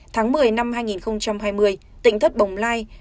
tháng một mươi năm hai nghìn hai mươi tỉnh thất bồng lai